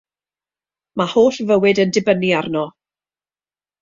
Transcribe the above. Mae holl fywyd yn dibynnu arno.